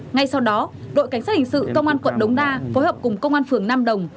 ngay sau đó đội cảnh sát hình sự công an quận đống đa phối hợp cùng công an phường nam đồng